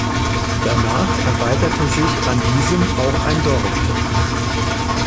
Danach erweiterte sich an diesem auch ein Dorf.